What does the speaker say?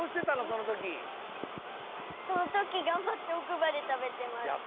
そのときがんばっておくばで食べてました。